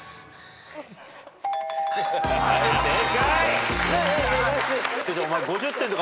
はい正解。